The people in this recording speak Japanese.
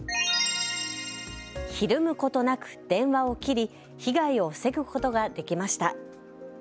ひるむことなく電話を切り被害を防ぐことができました。